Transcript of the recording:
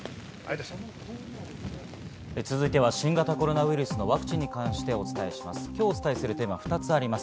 続いては、新型コロナウイルスのワクチンに関してお伝えします。